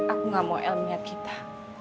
aku gak mau el lihat kita